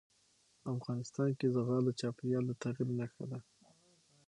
افغانستان کې زغال د چاپېریال د تغیر نښه ده.